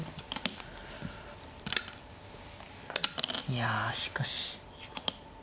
いやしかし。